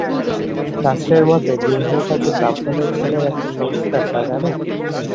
শাস্ত্রের মতে বিবাহটা যে ব্রাহ্মণের ছেলের একটা সংস্কার তা জান?